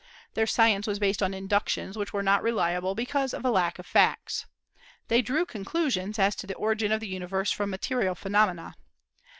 Their science was based on inductions which were not reliable, because of a lack of facts. They drew conclusions as to the origin of the universe from material phenomena.